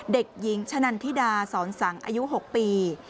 เด็กหญิงชะนันทิดาสอนสังอายุ๖ปี